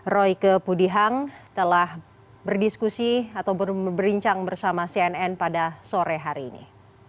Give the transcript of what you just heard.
royke pudihang telah berdiskusi atau berbincang bersama cnn pada sore hari ini